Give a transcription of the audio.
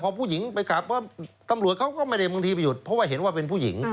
พอผู้หญิงไปขับปุ๊บตำรวจเขาก็ไม่ได้บางทีไปหยุดเพราะว่าเห็นว่าเป็นผู้หญิง